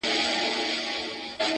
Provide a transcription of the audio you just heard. د ابۍ پر مرگ نه يم عرزايل اموخته کېږي.